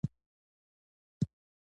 زه خپله لور په خپل لاس